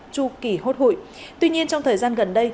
chu kỳ hốt hụi tuy nhiên trong thời gian gần đây